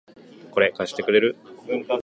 これ、貸してくれる？